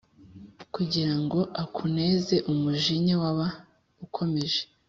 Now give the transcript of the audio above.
Kugira ngo akunezeUmujinya waba ukomeje